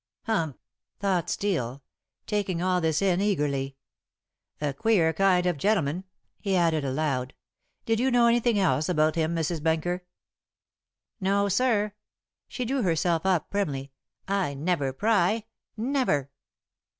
"Humph!" thought Steel, taking all this in eagerly. "A queer kind of gentleman," he added aloud. "Did you know anything else about him, Mrs. Benker?" "No, sir." She drew herself up primly. "I never pry never."